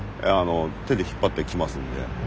手で引っ張ってきますんで。